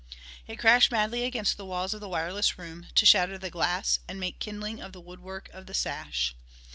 It crashed madly against the walls of the wireless room to shatter the glass and make kindling of the woodwork of the sash.